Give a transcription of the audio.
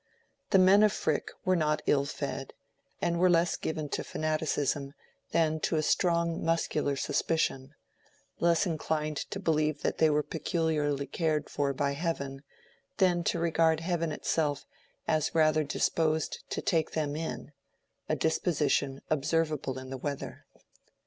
The men of Frick were not ill fed, and were less given to fanaticism than to a strong muscular suspicion; less inclined to believe that they were peculiarly cared for by heaven, than to regard heaven itself as rather disposed to take them in—a disposition observable in the weather.